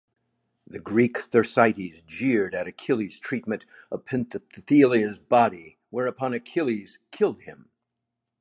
The Greek Thersites jeered at Achilles's treatment of Penthesilea's body, whereupon Achilles killed him.